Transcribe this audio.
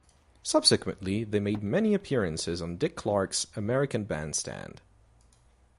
Subsequently they made many appearances on Dick Clark's "American Bandstand".